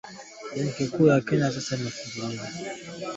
Benki hiyo kwa sasa inafanya utafiti wa awali